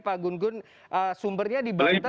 pak gun gun sumbernya dibantah